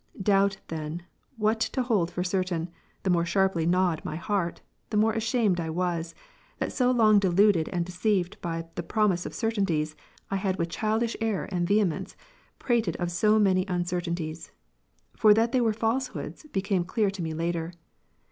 Doubt, then, what to hold for certain, the more sharply gnawed my heart, the more ashamed I was, that so long deluded and deceived by the promise of certainties, I had with childish error and vehemence, prated of so many un certainties. For that they were falsehoods, became clear to me later.